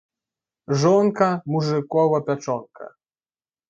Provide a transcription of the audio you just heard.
Жонка – мужыкова пячонка